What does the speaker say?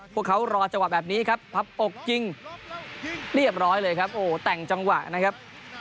พวกเขารอจังหวะแบบนี้ครับพับอกยิงเรียบร้อยเลยครับโอ้โหแต่งจังหวะนะครับ